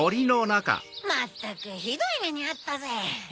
まったくひどいめにあったぜ。